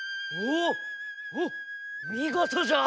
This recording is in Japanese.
おっみごとじゃ。